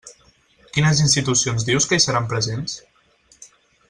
Quines institucions dius que hi seran presents?